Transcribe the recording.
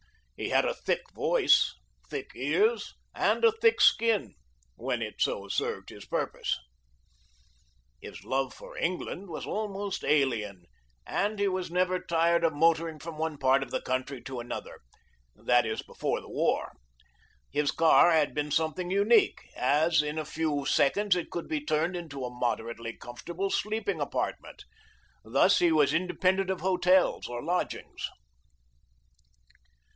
He had a thick voice, thick ears and a thick skin when it so served his purpose. His love for England was almost alien, and he was never tired of motoring from one part of the country to another, that is before the war. His car had been something unique, as in a few seconds it could be turned into a moderately comfortable sleeping apartment. Thus he was independent of hotels, or lodgings.